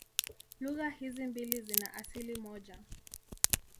Lugha hizi mbili zina asili moja.